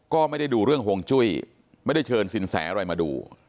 ก็ไม่ได้ดูเรื่องฮวงจุ้ยไม่ได้เชิญสินแสอะไรมาดู